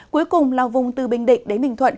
cuối cùng là vùng từ bình định đến bình thuận